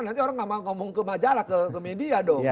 nanti orang nggak mau ngomong ke majalah ke media dong